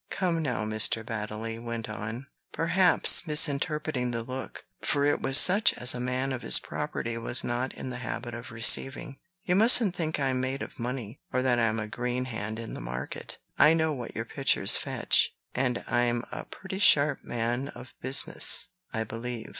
"Come, now," Mr. Baddeley went on, perhaps misinterpreting the look, for it was such as a man of his property was not in the habit of receiving, "you mustn't think I'm made of money, or that I'm a green hand in the market. I know what your pictures fetch; and I'm a pretty sharp man of business, I believe.